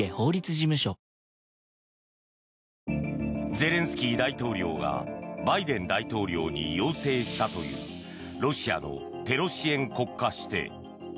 ゼレンスキー大統領がバイデン大統領に要請したというロシアのテロ支援国家指定。